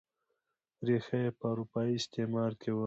ریښه یې په اروپايي استعمار کې وه.